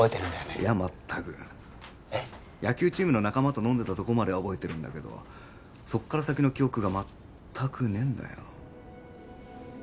いや全く野球チームの仲間と飲んでたとこまでは覚えてるんだけどそっから先の記憶が全くねえんだよ